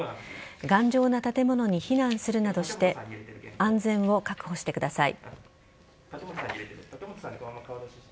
頑丈な建物に避難するなどして安全を確保してください。